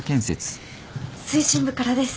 推進部からです。